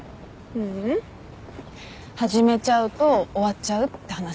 ううん。始めちゃうと終わっちゃうって話。